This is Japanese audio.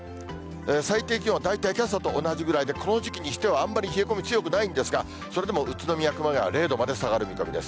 最低気温は大体けさと同じぐらいで、この時期にしてはあんまり冷え込み強くないんですが、それでも宇都宮、熊谷は０度まで下がる見込みです。